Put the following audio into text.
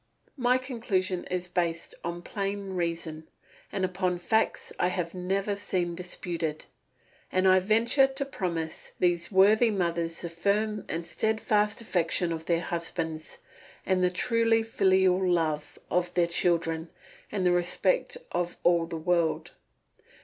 My conclusion is based upon plain reason, and upon facts I have never seen disputed; and I venture to promise these worthy mothers the firm and steadfast affection of their husbands and the truly filial love of their children and the respect of all the world.